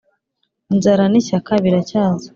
inzara n'ishyaka biracyaza!